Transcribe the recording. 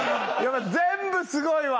全部すごいわ。